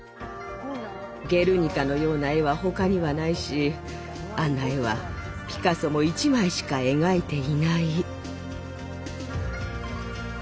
「ゲルニカ」のような絵は他にはないしあんな絵はピカソも１枚しか描いていない。